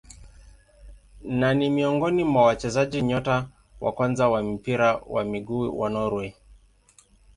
Na ni miongoni mwa wachezaji nyota wa kwanza wa mpira wa miguu wa Norway.